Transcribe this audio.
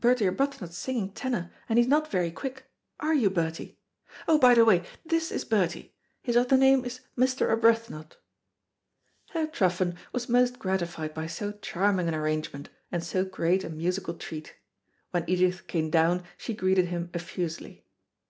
Bertie Arbuthnot's singing tenor, and he's not very quick are you, Bertie? Oh, by the way, this is Bertie. His other name is Mr. Arbuthnot." Herr Truffen was most gratified by so charming an arrangement, and so great a musical treat. When Edith came down she greeted him effusively.